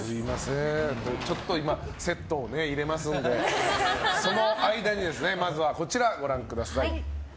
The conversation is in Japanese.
ちょっと今セットを入れますのでその間にまずはこちらをご覧ください。